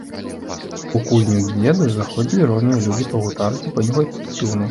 У кузню к дзеду заходзілі розныя людзі пагутарыць і панюхаць тытуну.